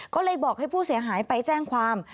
ก็เลยบอกให้ผู้เสียหายไปแจ้งความ